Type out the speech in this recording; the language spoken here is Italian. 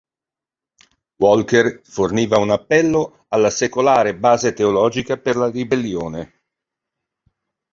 Walker forniva un appello alla secolare base teologica per la ribellione.